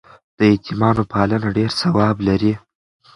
د یتیمانو پالنه ډېر ثواب لري.